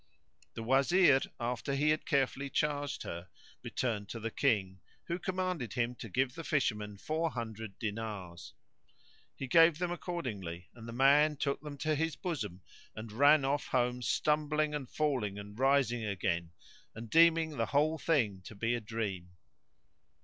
The Wazir, after he had carefully charged her, returned to the King, who commanded him to give the Fisherman four hundred dinars: he gave them accordingly, and the man took them to his bosom and ran off home stumbling and falling and rising again and deeming the whole thing to be a dream.